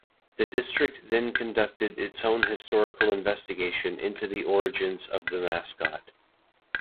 The District then conducted its own historical investigation into the origins of the mascot.